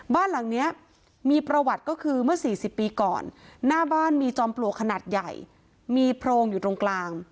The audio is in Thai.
บ้านหลังนี้มีประวัติก็คือเมื่อ๔๐ปีก่อนหน้าบ้านมีจอมปลวกขนาดใหญ่มีโพรงอยู่ตรงกลาง